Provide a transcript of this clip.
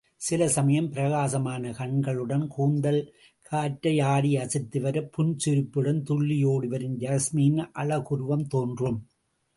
சில சமயம் பிரகாசமான கண்களுடன் கூந்தல் கற்றை ஆடி அசைந்துவரப் புன்சிரிப்புடன் துள்ளி ஓடிவரும் யாஸ்மியின் அழகுருவம் தோன்றும்.